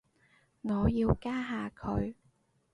我要加下佢